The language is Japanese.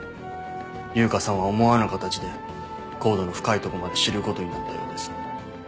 悠香さんは思わぬ形でＣＯＤＥの深いとこまで知ることになったようです。